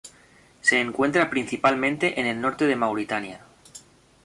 Se encuentra principalmente en el norte de Mauritania.